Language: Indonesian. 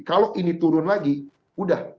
kalau ini turun lagi udah